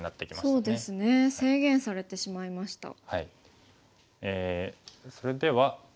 そうですね制限されてしまいました。